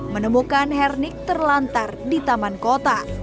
menemukan hernik terlantar di taman kota